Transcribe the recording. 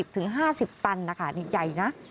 ๔๐๕๐ตันค่ะนี่ใหญ่นะ